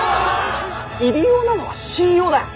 入り用なのは信用だ！